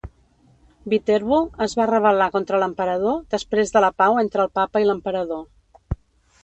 Viterbo es va rebel·lar contra l'emperador després de la pau entre el papa i l'emperador.